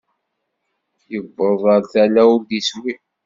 Yewweḍ ar tala ur d-iswi.